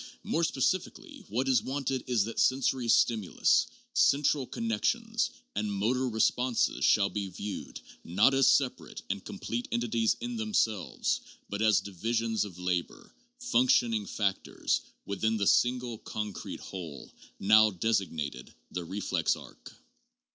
More specifically, what is wanted is that sensory stimulus, central connections and motor responses shall be viewed, not as separate and complete entities in themselves, but as divisions of labor, functioning factors, within the single concrete whole, now designated the reflex arc.